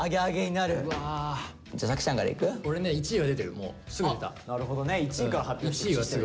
なるほどね１位から発表してく。